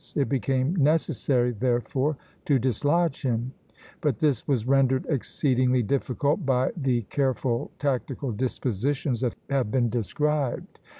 It became necessary therefore to dislodge him, but this was rendered exceedingly difficult by the careful tactical dispositions that have been described.